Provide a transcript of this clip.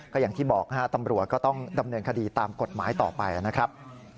ก็อย่างที่บอกตำรวจก็ต้องดำเนินคดีตามกฎหมายต่อไปนะครับ